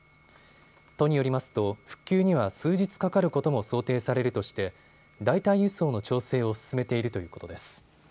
都によりますと復旧には数日かかることも想定されるとして代替輸送の調整を進めているということです。